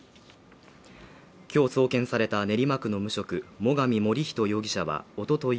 今日送検された練馬区の無職最上守人容疑者はおととい